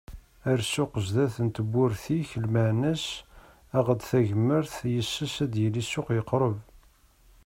Err ssuq sdat n tewwurt-ik lmeɛna-as, aɣ-d tagmert, yes-s ad yili ssuq yeqreb.